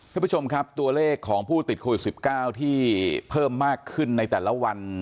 คุณผู้ชมครับตัวเลขของผู้ติดโควิด๑๙ที่เพิ่มมากขึ้นในแต่ละวัน